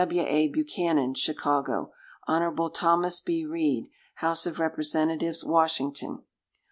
W. A. Buchanan, Chicago. Hon. Thomas B. Reed, House of Representatives, Washington.